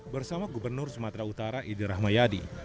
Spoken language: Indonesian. bersama gubernur sumatera utara idi rahmayadi